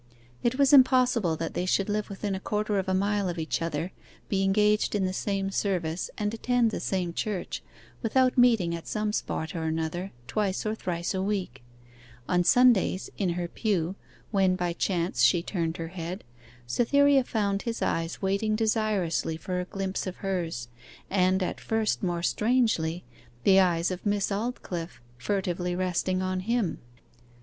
It was impossible that they should live within a quarter of a mile of each other, be engaged in the same service, and attend the same church, without meeting at some spot or another, twice or thrice a week. On Sundays, in her pew, when by chance she turned her head, Cytherea found his eyes waiting desirously for a glimpse of hers, and, at first more strangely, the eyes of Miss Aldclyffe furtively resting on him.